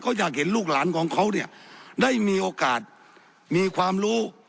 เขาอยากเห็นลูกหลานของเขาเนี่ยได้มีโอกาสมีความรู้